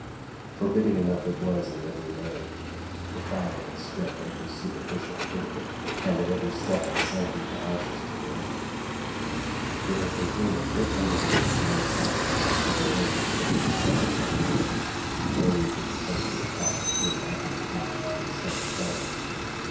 Forbidding enough it was in every way. The fire had swept every superficial foot of it, and at every step I sank into ashes to the ankle. It had contained a thick undergrowth of young saplings, every one of which had been severed by a bullet, the foliage of the prostrate tops being afterward burnt and the stumps charred.